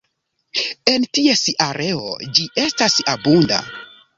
En ties areo ĝi estas abunda.